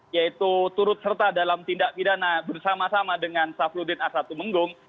yaitu turut serta dalam tindak pidana bersama sama dengan safluddin a satu menggung